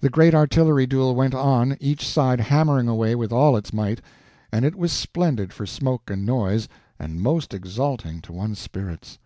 The great artillery duel went on, each side hammering away with all its might; and it was splendid for smoke and noise, and most exalting to one's spirits.